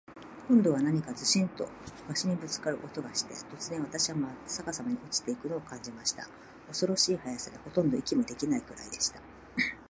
今度は何かズシンと鷲にぶっつかる音がして、突然、私はまっ逆さまに落ちて行くのを感じました。恐ろしい速さで、ほとんど息もできないくらいでした。